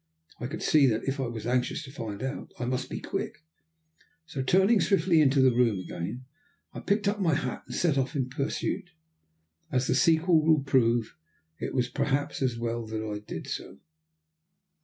I could see that, if I was anxious to find out, I must be quick; so, turning swiftly into the room again, I picked up my hat and set off in pursuit. As the sequel will prove, it was, perhaps, as well that I did so.